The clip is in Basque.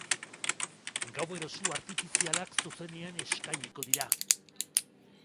Gauero, su artifizialak zuzenean eskainiko dira.